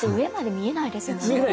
見えないですよね。